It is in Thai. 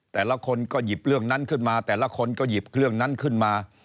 แต่ละคนก็หยิบเรื่องนั้นขึ้นมาแต่ละคนก็หยิบเรื่องนั้นขึ้นมา